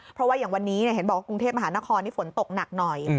เพราะว่าอย่างวันนี้เห็นบอกว่ากรุงเทพมหานครนี่ฝนตกหนักหน่อย